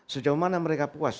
sejauh mana mereka puas